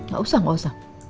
gak usah gak usah